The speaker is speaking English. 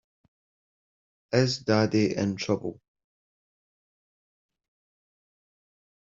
Is Daddy in trouble?